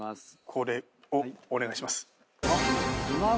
これをお願いします。